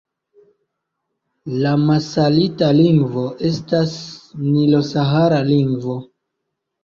La masalita lingvo estas nilo-sahara lingvo.